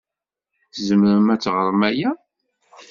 Tzemrem ad ɣṛem aya?